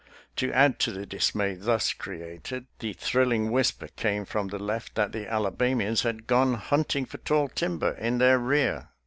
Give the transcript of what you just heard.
To add to the dismay thus created, the thrilling whisper came from the left that the Alabamians had gone " hunt ing for tall timber " in their rear.